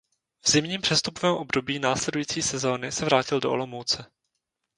V zimním přestupovém období následující sezony se vrátil do Olomouce.